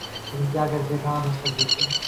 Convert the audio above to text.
لیکن کیا کرتے، کہاں دستک دیتے؟